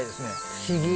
不思議。